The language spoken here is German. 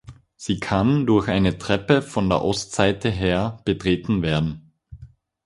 Sie kann durch eine Treppe von der Ostseite her betreten werden.